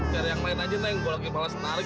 kayaknya nggak pernah dok